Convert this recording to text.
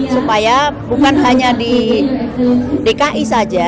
supaya bukan hanya di dki saja